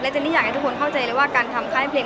เจนนี่อยากให้ทุกคนเข้าใจเลยว่าการทำค่ายเพลง